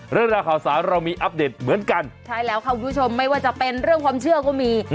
เรื่องราวข่าวสารเรามีอัปเดตเหมือนกันใช่แล้วค่ะคุณผู้ชมไม่ว่าจะเป็นเรื่องความเชื่อก็มี